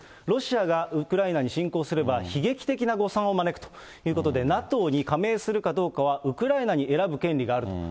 ロシアがウクライナに侵攻すれば、悲劇的な誤算を招くということで、ＮＡＴＯに加盟するかどうかはウクライナに選ぶ権利がある。